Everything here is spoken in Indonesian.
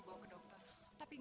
iya atuh kang